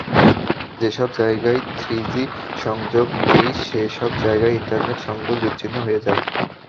যেসব জায়গায় থ্রিজি সংযোগ নেই, সেসব জায়গায় ইন্টারনেট সংযোগ বিচ্ছিন্ন হয়ে যায়।